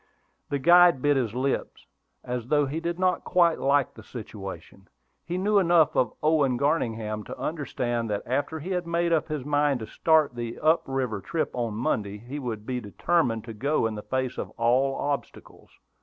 The guide bit his lips, as though he did not quite like the situation. He knew enough of Owen Garningham to understand that, after he had made up his mind to start on the up river trip on Monday, he would be determined to go in the face of all obstacles.